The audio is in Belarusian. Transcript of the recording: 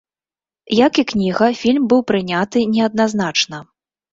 Як і кніга, фільм быў прыняты неадназначна.